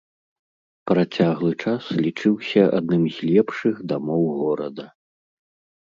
Працяглы час лічыўся адным з лепшых дамоў горада.